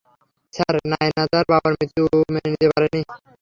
Sir, Naina তার বাবার মৃত্যু মেনে নিতে পারেনি।